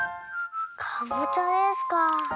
かぼちゃですか。